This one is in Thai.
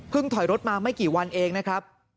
ถอยรถมาไม่กี่วันเองนะครับ